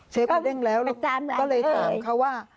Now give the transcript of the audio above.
เช็คมันเด้งแล้วก็เลยถามเขาว่า